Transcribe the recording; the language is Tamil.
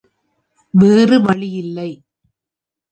வேறு வழி இல்லை.